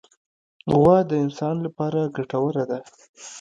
غوا د انسان لپاره ګټوره ده.